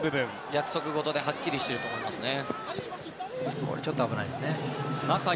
約束事ではっきりしてると思いますね。